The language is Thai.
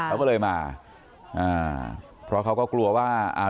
เขาก็เลยมาอ่าเพราะเขาก็กลัวว่าอ่า